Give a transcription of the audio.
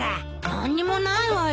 何にもないわよ。